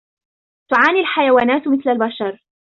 تعاني الحيوانات مثل البشر.